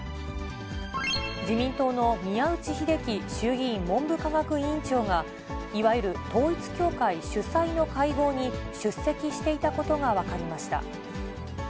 自民党の宮内秀樹衆議院文部科学委員長が、いわゆる統一教会主催の会合に出席していたことが分かりました。